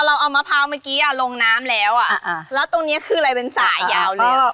เราเอามะพร้าวเมื่อกี้อ่ะลงน้ำแล้วอ่ะแล้วตรงนี้คืออะไรเป็นสายยาวเลย